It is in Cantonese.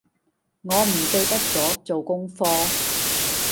我唔記得咗做功課